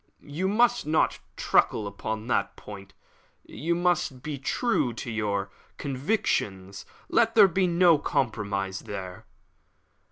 "You must not truckle upon that point. You must be true to your convictions; let there be no compromise there."